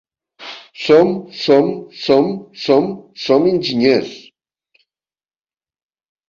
"Som, som, som, som, som enginyers"!